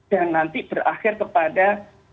dan nanti berakhir kepada